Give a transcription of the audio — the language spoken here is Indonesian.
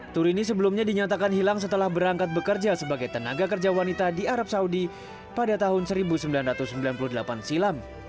turini sebelumnya dinyatakan hilang setelah berangkat bekerja sebagai tenaga kerja wanita di arab saudi pada tahun seribu sembilan ratus sembilan puluh delapan silam